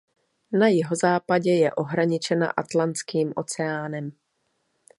Na jihozápadě je ohraničena Atlantským oceánem.